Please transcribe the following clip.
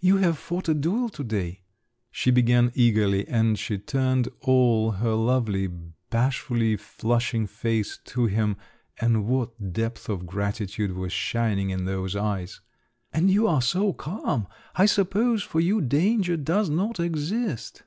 "You have fought a duel to day," she began eagerly, and she turned all her lovely, bashfully flushing face to him—and what depths of gratitude were shining in those eyes! "And you are so calm! I suppose for you danger does not exist?"